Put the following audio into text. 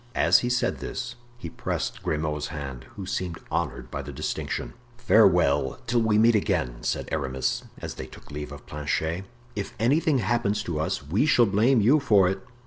As he said this, he pressed Grimaud's hand, who seemed honored by the distinction. "Farewell till we meet again," said Aramis, as they took leave of Planchet; "if anything happens to us we shall blame you for it."